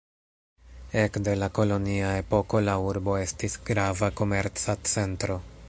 Ek de la kolonia epoko la urbo estis grava komerca centro.